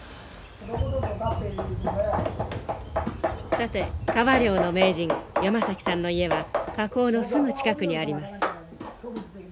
さて川漁の名人山崎さんの家は河口のすぐ近くにあります。